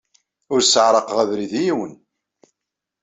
Ur sseɛraqeɣ abrid i yiwen.